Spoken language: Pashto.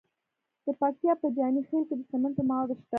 د پکتیا په جاني خیل کې د سمنټو مواد شته.